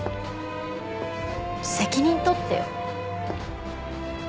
責任取ってよ。